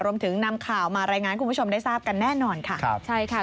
รวมถึงนำข่าวมารายงานคุณผู้ชมได้ทราบกันแน่นอนค่ะ